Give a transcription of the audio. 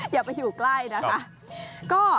อย่าไปอยู่ใกล้นะคะ